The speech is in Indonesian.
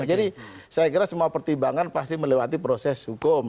jadi saya kira semua pertimbangan pasti melewati proses hukum